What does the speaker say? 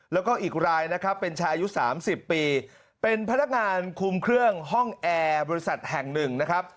แล้วก็อีกรายนะครับเป็นชายอายุ๓๐ปีเป็นพนักงานคุมเครื่องห้องแอร์บริษัทแห่งหนึ่งนะครับ